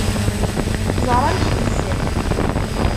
Ẓer amek yezzer!